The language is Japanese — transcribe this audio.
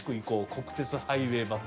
国鉄ハイウェイバス」。